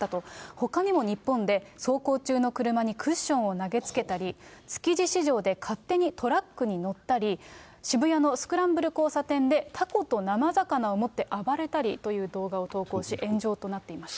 ほかにも日本で、走行中の車にクッションを投げつけたり、築地市場で勝手にトラックに乗ったり、渋谷のスクランブル交差点でタコと生魚を持って暴れたりという動画を投稿し、炎上となっていました。